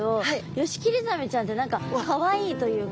ヨシキリザメちゃんって何かかわいいというか。